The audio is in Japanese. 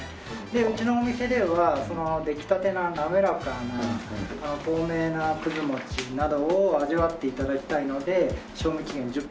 うちのお店ではその出来たての滑らかな透明なもちなどを味わって頂きたいので賞味期限１０分。